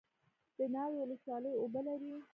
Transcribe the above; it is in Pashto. د ناوې ولسوالۍ اوبه لري